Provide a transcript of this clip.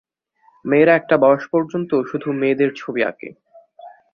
মেয়েরা একটা বয়স পর্যন্ত শুধু মেয়েদের ছবি আঁকে।